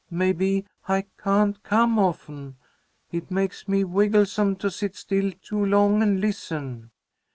"Maybe I can't come often. It makes me wigglesome to sit still too long and listen."